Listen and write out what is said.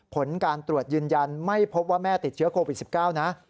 ผลการตรวจยืนยันไม่พบว่าแม่ติดเชื้อโควิด๑๙นะ